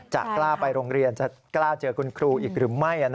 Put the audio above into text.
กล้าไปโรงเรียนจะกล้าเจอคุณครูอีกหรือไม่